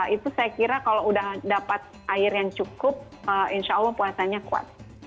itu saya kira kalau udah dapat air yang cukup insya allah puasanya kuat